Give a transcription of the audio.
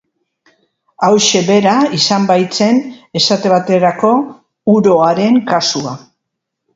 Hauxe bera izan baitzen, esate baterako, uroaren kasua.